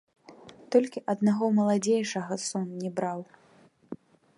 Толькі аднаго маладзейшага сон не браў.